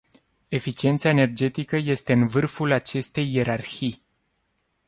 Eficiența energetică este în vârful acestei ierarhii.